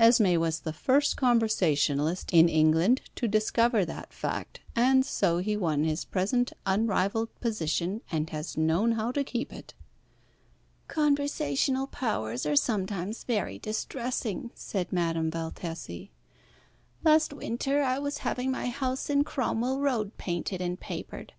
Esmé was the first conversationalist in England to discover that fact, and so he won his present unrivalled position, and has known how to keep it." "Conversational powers are sometimes very distressing," said Madame Valtesi. "Last winter I was having my house in Cromwell Road painted and papered.